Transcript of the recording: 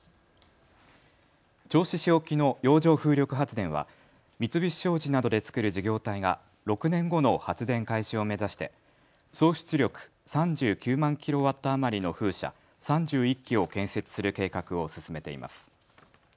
銚子市沖の洋上風力発電は三菱商事などで作る事業体が６年後の発電開始を目指して総出力３９万キロワット余りの風車３１基を建設する計画を進めています。